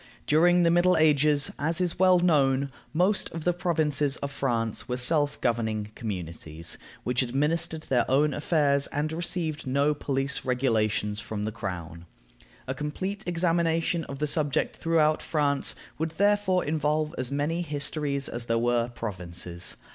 During the Middle Ages, as is well known, most of the provinces of France were self governing communities, which administered their own affairs, and received no police regulations from the crown. A complete examination of the subject throughout France would therefore involve as many histories as there were provinces.